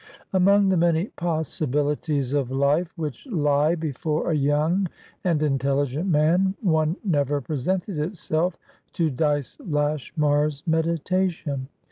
Among the many possibilities of life which lie before a young and intelligent man, one never presented itself to Dyce Lashmar's meditation.